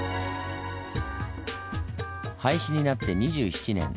廃止になって２７年。